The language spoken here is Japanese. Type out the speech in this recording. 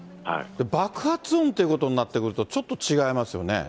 爆発音ということになってくると、ちょっと違いますよね。